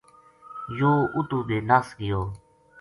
یوہ اُتو بے نَس گیو